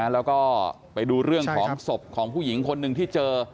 แล้วก็ไปดูเรื่องของศพของผู้หญิงคนหนึ่งที่เจอ